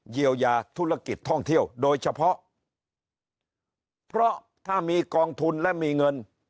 เยียวยาธุรกิจท่องเที่ยวโดยเฉพาะเพราะถ้ามีกองทุนและมีเงิน